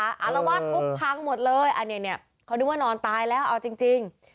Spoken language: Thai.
อารวาสทุบพังหมดเลยอันนี้เนี่ยเขานึกว่านอนตายแล้วเอาจริง